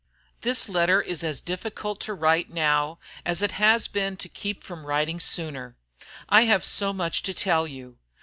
"This letter is as difficult to write now as it has been to keep from writing sooner. I have so much to tell you.